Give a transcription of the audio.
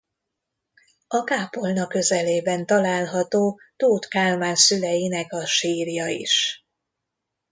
A kápolna közelében található Tóth Kálmán szüleinek a sírja is.